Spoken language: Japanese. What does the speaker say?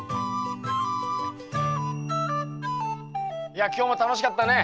いや今日も楽しかったね。